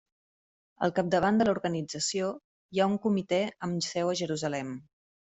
Al capdavant de l'organització hi ha un comitè amb seu a Jerusalem.